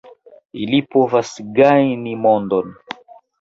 Ili povas gajni mondon.